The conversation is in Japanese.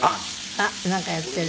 あっなんかやってる。